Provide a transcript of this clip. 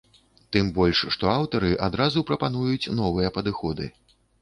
Тым больш, што аўтары адразу прапануюць новыя падыходы.